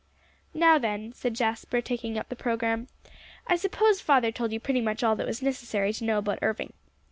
"Now, then," said Jasper, taking up the program, "I suppose father told you pretty much all that was necessary to know about Irving.